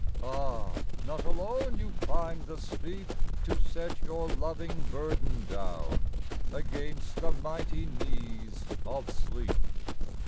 Ah, not alone you climb the steep To set your loving burden down Against the mighty knees of sleep.